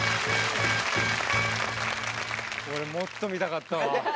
俺もっと見たかったわ。